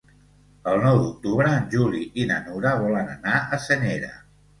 El nou d'octubre en Juli i na Nura volen anar a Senyera.